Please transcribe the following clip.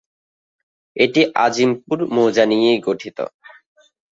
এটি "আজিমপুর" মৌজা নিয়েই গঠিত।